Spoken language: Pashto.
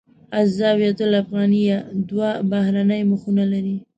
الزاویة الافغانیه دوه بهرنۍ مخونه لري.